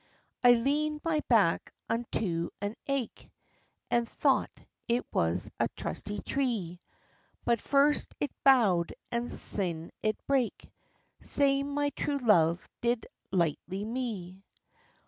I leaned my back unto an aik, An' thocht it was a trustie tree, But first it bow'd and syne it brak, Sae my true love did lichtly me.